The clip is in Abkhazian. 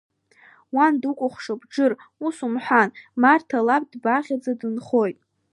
Уан дукәхшоуп, Џыр, ус умҳәан, Марҭа лаб дбаӷьаӡа дынхоит.